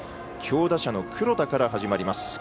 強打者の黒田から始まります。